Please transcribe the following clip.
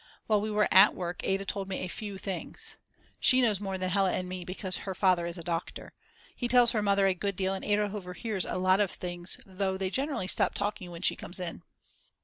While we were at work Ada told me a few things. She knows more than Hella and me, because her father is a doctor. He tells her mother a good deal and Ada overhears a lot of things though they generally stop talking when she comes in.